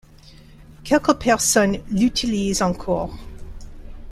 Quelques personnes l'utilisent encore.